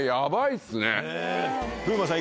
風磨さん